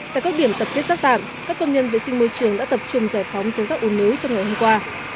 tại các điểm tập kết rác tạm các công nhân vệ sinh môi trường đã tập trung giải phóng số rác u nứ trong ngày hôm qua